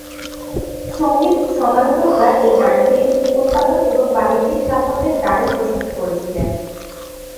সংগীত সমালোচকরা এই গানটির উৎপাদন এবং বাণিজ্যিক সাফল্যের দারুণ প্রশংসা করেছিলেন।